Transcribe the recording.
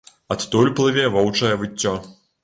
Адтуль плыве воўчае выццё.